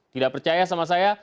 tidak percaya sama saya